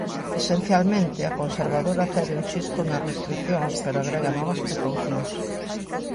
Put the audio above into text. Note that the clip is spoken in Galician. Esencialmente, a conservadora cede un chisco nas restricións pero agrega novas precaucións.